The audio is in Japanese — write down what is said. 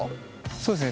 そうですね。